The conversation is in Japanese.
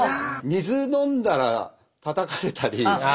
水飲んだらたたかれたり。